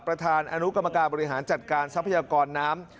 ประธานอนุกรรมการบริหารจัดการทรัพยากรน้ำ